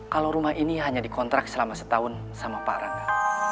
kalau rumah ini hanya dikontrak selama setahun sama pak rangga